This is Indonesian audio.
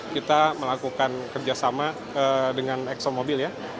kita melakukan kerjasama dengan exxon mobil